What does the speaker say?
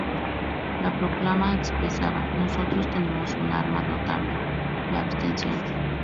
La proclama expresaba: "“Nosotros tenemos un arma notable: La abstención.